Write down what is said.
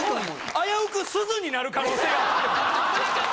危うくすずになる可能性があったよ。